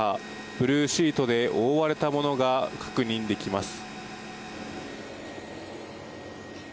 ブルーシートで覆われたものが確認できます。